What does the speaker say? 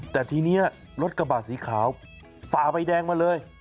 แต่ทีนี้รถกระบาดสีขาวฝ่าไฟแดงมาเลย